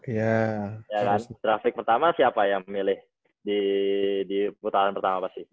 ya kan draft pick pertama siapa yang milih di putaran pertama pasti